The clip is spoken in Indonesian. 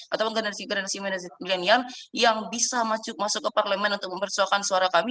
ataupun generasi generasi milenial yang bisa masuk ke parlemen untuk mempersoalkan suara kami